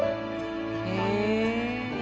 へえ！